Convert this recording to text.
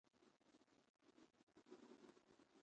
زموږ خر په کراره اوبه څښي.